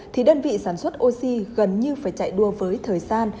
thì đơn vị sản xuất oxy gần như phải chạy đua với thời gian